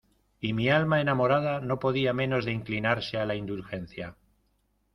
y mi alma enamorada no podía menos de inclinarse a la indulgencia.